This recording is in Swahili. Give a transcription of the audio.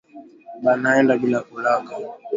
Banaenda bila kulaka